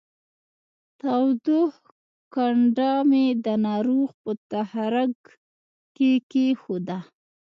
تودوښ کنډه مې د ناروغ په تخرګ کې کېښوده